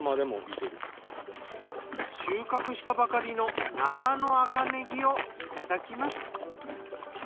収穫したばかりの生の赤ねぎをいただきます。